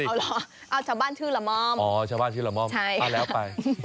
เอาเหรอเอาชาวบ้านชื่อละม่อมอ๋อชาวบ้านชื่อละม่อมเอาแล้วไป